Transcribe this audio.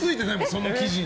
その記事に。